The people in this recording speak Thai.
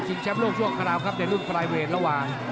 ซิงแชมป์ร่วงช่วงคราวครับในรุ่นปลายเวทระหว่าง